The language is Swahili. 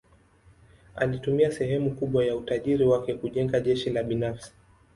Alitumia sehemu kubwa ya utajiri wake kujenga jeshi la binafsi.